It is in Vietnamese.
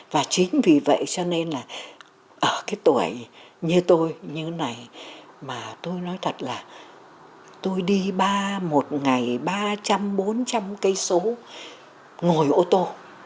và chính vì vậy cho nên là ở cái tuổi như tôi như này mà tôi nói thật là tôi đi một ngày ba trăm linh bốn trăm linh km ngồi ô tô